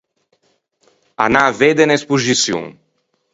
Anâ à vedde unn’espoxiçion.